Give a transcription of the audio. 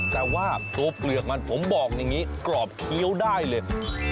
แต่ว่าตัวเปลือกมันผมบอกอย่างนี้กรอบเคี้ยวได้เลย